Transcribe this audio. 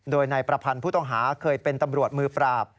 โดยนายประพันธ์ผู้ต้องหาเคยเป็นตำรวจมือปราบ